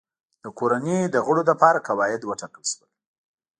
د کورنۍ د غړو لپاره قواعد وټاکل شول.